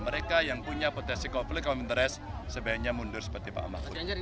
mereka yang punya potensi konflik of interest sebaiknya mundur seperti pak mahfud